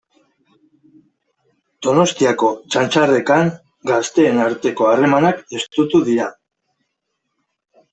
Donostiako Txantxarrekan gazteen arteko harremanak estutu dira.